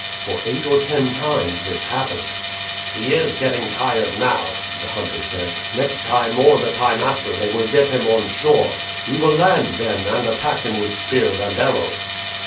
For eight or ten times this happened. "He is getting tired now," the hunter said. "Next time or the time after they will get him on shore. We will land then and attack him with spears and arrows."